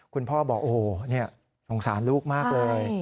คุณพ่อบอกโอ้โหสงสารลูกมากเลย